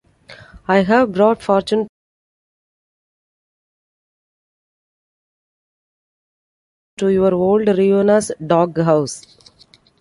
I have brought fortune to your old ruinous doghouse.